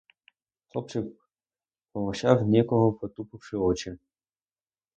Хлопчик помовчав, ніяково потупивши очі.